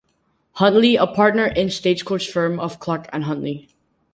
Huntley, a partner in the stagecoach firm of Clark and Huntley.